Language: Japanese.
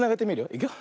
いくよ。